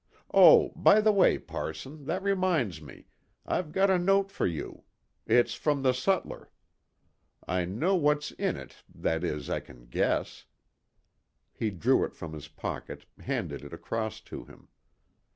Oh, by the way, parson, that reminds me, I've got a note for you. It's from the sutler. I know what's in it, that is, I can guess." He drew it from his pocket, handed it across to him.